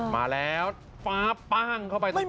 มาแล้วฟ้าป้างเข้าไปตรงกลาง